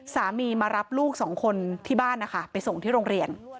สามีมารับลูกสองคนที่บ้านนะคะไปส่งที่โรงเรียน